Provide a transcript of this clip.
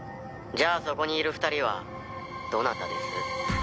「じゃあそこにいる２人はどなたです？」